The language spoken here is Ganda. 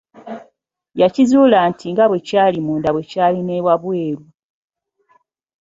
Yakizuula nti nga bwe kyali munda bwe kyali ne wabweru.